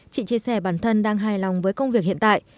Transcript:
chị chia sẻ bản thân đang hài lòng với công việc hiện tại